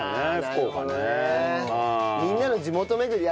みんなの地元巡り。